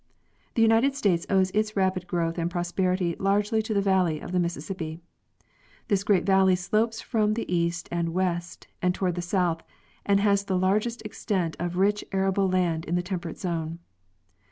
The United States owes its rapid growth and prosperity largely to the valley of the Mississippi. This great valley slopes from the east and west and toward the south, and has the largest ex tent of rich arable iand in the temperate zone.